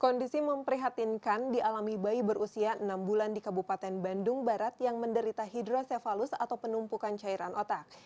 kondisi memprihatinkan dialami bayi berusia enam bulan di kabupaten bandung barat yang menderita hidrosefalus atau penumpukan cairan otak